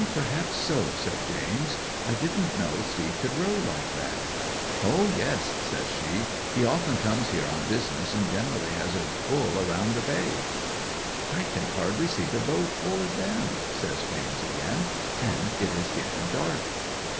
'"Perhaps so," said James. "I didn't know Steve could row like that." '"O yes," says she. "He often comes here on business, and generally has a pull round the bay." '"I can hardly see the boat or them," says James again; "and it is getting dark."